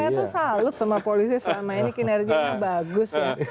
saya tuh salut sama polisi selama ini kinerjanya bagus ya